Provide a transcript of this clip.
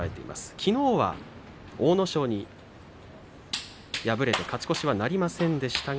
きのうは、阿武咲に敗れて勝ち越しはなりませんでした。